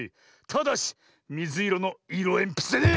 ただしみずいろのいろえんぴつでね！